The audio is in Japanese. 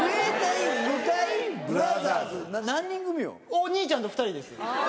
お兄ちゃんと２人です。